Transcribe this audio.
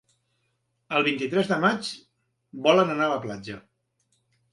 El vint-i-tres de maig volen anar a la platja.